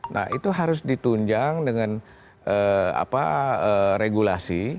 nah itu harus ditunjang dengan regulasi